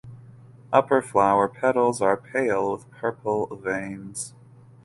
Upper flower petals are pale with purple veins.